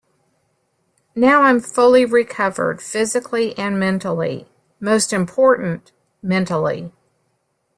Now I'm fully recovered, physically and mentally, most important mentally.